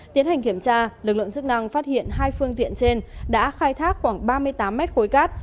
tiến hành kiểm tra lực lượng chức năng phát hiện hai phương tiện trên đã khai thác khoảng ba mươi tám mét khối cát